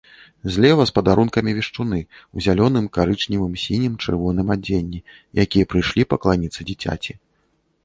Злева з падарункамі вешчуны ў зялёным, карычневым, сінім, чырвоным адзенні, якія прыйшлі пакланіцца дзіцяці.